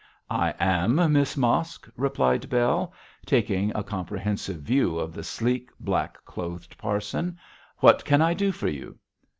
'I am Miss Mosk,' replied Bell, taking a comprehensive view of the sleek, black clothed parson. 'What can I do for you?'